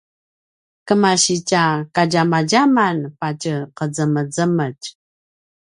kemasitja kadjamadjaman patje qezemezemetj